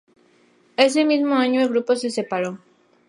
Ese mismo año, el grupo se separó.